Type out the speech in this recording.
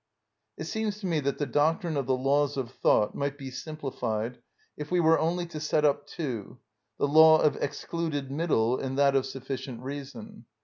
It seems to me that the doctrine of the laws of thought might be simplified if we were only to set up two, the law of excluded middle and that of sufficient reason.